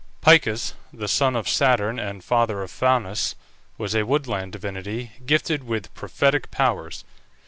Picus, the son of Saturn and father of Faunus, was a woodland divinity, gifted with prophetic powers.